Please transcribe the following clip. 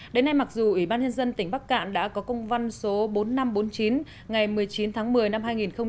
đến nay mặc dù ủy ban nhân dân tỉnh bắc cạn đã có công văn số bốn nghìn năm trăm bốn mươi chín ngày một mươi chín tháng một mươi năm hai nghìn một mươi chín